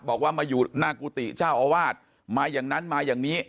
บอกว่ามาอยู่หน้ากุฏิเจ้าอาวาสมาอย่างนั้นมาอย่างนี้